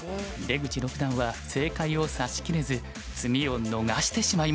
出口六段は正解を指しきれず詰みを逃してしまいました。